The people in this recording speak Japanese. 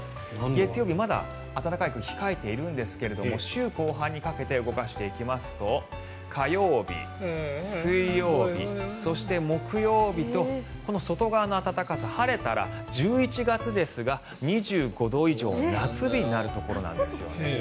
月曜日、まだ暖かい空気控えているんですが週後半にかけて動かしていきますと火曜日、水曜日、そして木曜日とこの外側の暖かさ晴れたら１１月ですが２５度以上の夏日になるところなんです。